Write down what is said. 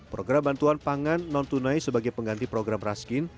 program bantuan pangan non tunai sebagai pengganti program raskin